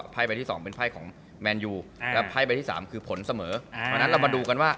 ไปดูกันว่า